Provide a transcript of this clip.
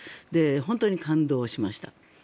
本当に感動しました。